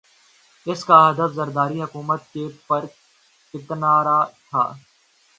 اس کا ہدف زرداری حکومت کے پر کترنا تھا۔